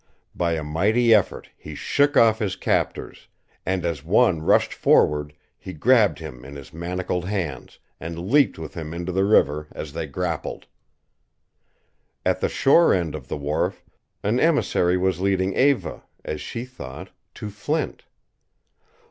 By a mighty effort he shook off his captors and, as one rushed forward, he grabbed him in his manacled hands and leaped with him into the river as they grappled. At the shore end of the wharf an emissary was leading Eva, as she thought, to Flint.